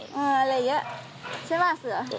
อะไรอย่างนี้ใช่ป่ะเสือ